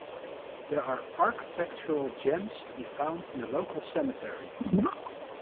There are architectural gems to be found in the local cemetery.